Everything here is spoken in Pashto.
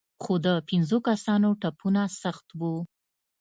خو د پنځو کسانو ټپونه سخت وو.